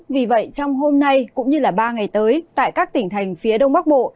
vì vậy trong hôm nay cũng như ba ngày tới tại các tỉnh thành phía đông bắc bộ